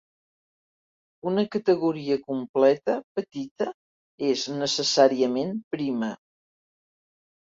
Una categoria completa petita és necessàriament prima.